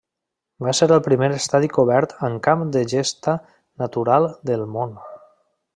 Va ser el primer estadi cobert amb camp de gesta natural del món.